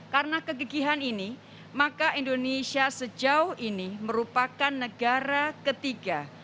karena kegegihan ini maka indonesia sejauh ini merupakan negara ketiga